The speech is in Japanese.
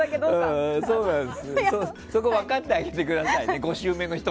分かってあげてくださいね。